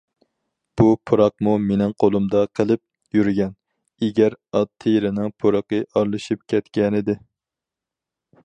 بۇ پۇراقمۇ مېنىڭ قولۇمدا قىلىپ، يۈرگەن، ئېگەر، ئات تىرىنىڭ پۇرىقى ئارىلىشىپ كەتكەنىدى.